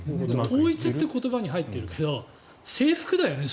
統一という言葉に入っているけどそれは征服だよね。